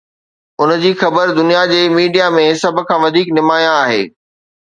ان جي خبر دنيا جي ميڊيا ۾ سڀ کان وڌيڪ نمايان آهي.